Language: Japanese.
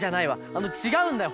あのちがうんだよ。